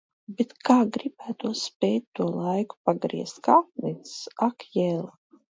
Bet kā gribētos spēt to laiku pagriezt! Kā apnicis! Ak jel.